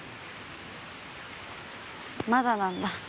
まだなんだ。